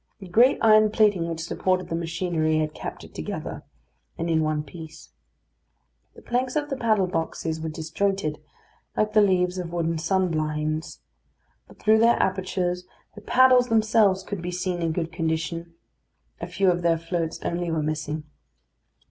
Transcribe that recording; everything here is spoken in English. The great iron plating which supported the machinery had kept it together, and in one piece. The planks of the paddle boxes were disjointed, like the leaves of wooden sunblinds; but through their apertures the paddles themselves could be seen in good condition. A few of their floats only were missing.